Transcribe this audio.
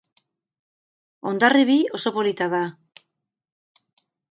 Hondarribi oso polita da